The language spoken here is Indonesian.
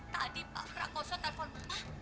tadi pak frakoso telepon mama